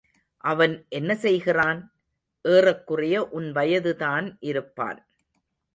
அவன் என்ன செய்கிறான்? ஏறக்குறைய உன் வயதுதான் இருப்பான்.